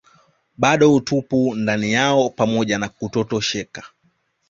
bado utupu ndani yao pamoja na kutotosheka